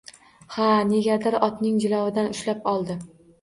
Hali negadir otning jilovidan ushlab oldi